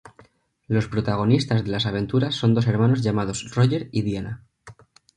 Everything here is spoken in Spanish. Los protagonistas de las aventuras son dos hermanos llamados Roger y Diana.